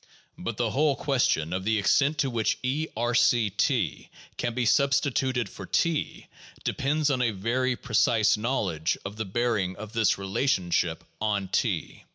But the whole question of the extent to which (E)(R e )T can be substituted for T, depends on a very precise knowledge of the bear ing of this relationship on T.